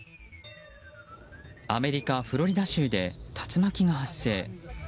アメリカ・フロリダ州で竜巻が発生。